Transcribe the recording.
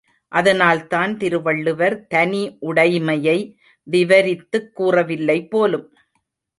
அதனால்தான் திருவள்ளுவர் தனி உடைமையை விவரித்துக் கூறவில்லை போலும்!